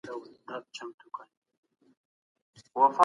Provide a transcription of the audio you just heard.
د توليد په پروسه کي له عصري ټيکنالوژۍ کار واخلئ.